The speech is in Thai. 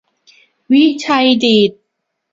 วิชัยดิษฐ